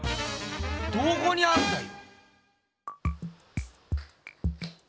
どこにあんだよ？